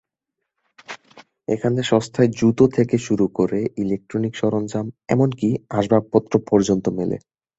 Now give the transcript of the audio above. এখানে সস্তায় জুতো থেকে শুরু করে ইলেকট্রিক সরঞ্জাম, এমনকি আসবাবপত্র পর্যন্ত মেলে।